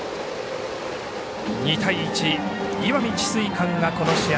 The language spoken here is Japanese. ２対１、石見智翠館がこの試合